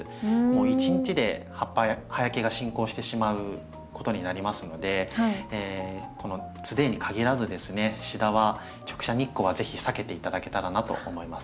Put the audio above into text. もう１日で葉焼けが進行してしまうことになりますのでこのツデーにかぎらずですねシダは直射日光は是非避けて頂けたらなと思います。